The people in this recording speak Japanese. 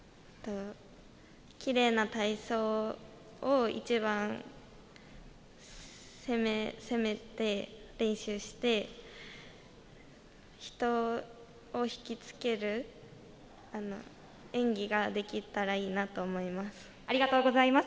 きれいな体操を一番攻めて練習して、人を引きつける演技ができたらいいなと思います。